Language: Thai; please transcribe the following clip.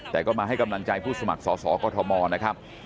แต่ก็มาให้กำลังใจผู้สมัครสอสอกอทมนะครับ